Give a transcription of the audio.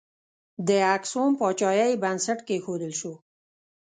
د اکسوم پاچاهۍ بنسټ کښودل شو.